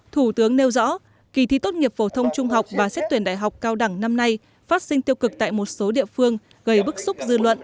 thủ tướng nêu rõ kỳ thi tốt nghiệp phổ thông trung học và xét tuyển đại học cao đẳng năm nay phát sinh tiêu cực tại một số địa phương gây bức xúc dư luận